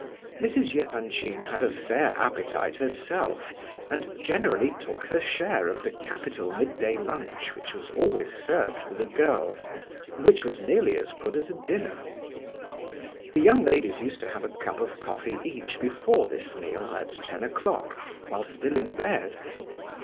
Mrs. Epanchin had a fair appetite herself, and generally took her share of the capital mid day lunch which was always served for the girls, and which was nearly as good as a dinner. The young ladies used to have a cup of coffee each before this meal, at ten o'clock, while still in bed.